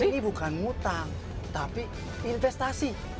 ini bukan mutang tapi investasi